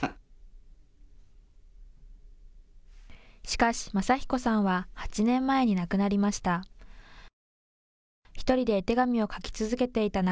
しかし昌彦さんは８年前に亡くなりました。